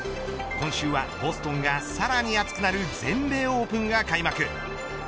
今週はボストンがさらに熱くなる全米オープンが開幕。